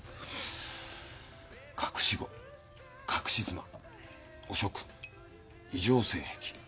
隠し子隠し妻汚職異常性癖。